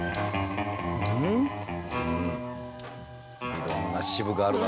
いろんな支部があるな。